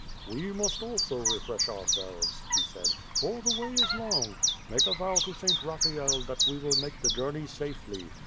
"We must also refresh ourselves," he said, "for the way is long; make a vow to St. Raphael that we make the journey safely.